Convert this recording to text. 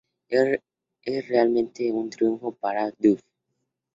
Es realmente un triunfo para Duff"".